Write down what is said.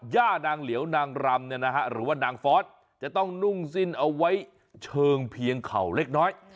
ย่านางเหลียวนางรำหรือว่านางฟอสจะต้องนุ่งสิ้นเอาไว้เชิงเพียงเข่าเล็กน้อย